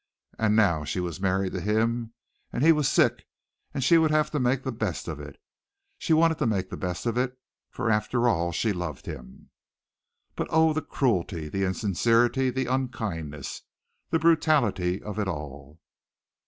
And now she was married to him and he was sick and she would have to make the best of it. She wanted to make the best of it, for after all she loved him. But oh, the cruelty, the insincerity, the unkindness, the brutality of it all.